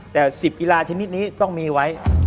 แต่๑๐กีฬาชนิดนี้ต้องมีไว้